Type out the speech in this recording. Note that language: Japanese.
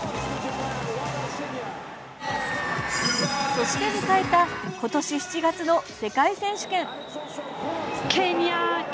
そして迎えた今年７月の世界選手権。